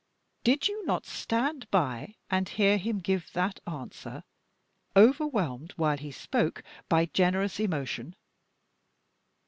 Did you not stand by and hear him give that answer, overwhelmed while he spoke by generous emotion?